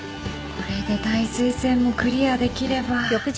これで耐水性もクリアできれば。